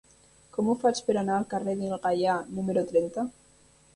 Com ho faig per anar al carrer del Gaià número trenta?